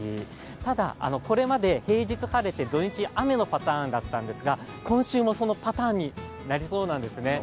ただ、これまで平日晴れて土日雨のパターンだったんですが、今週もそのパターンになりそうなんですね。